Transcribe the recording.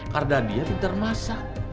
karena dia yang termasak